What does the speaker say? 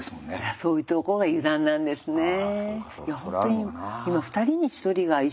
そういうとこが油断なんですね。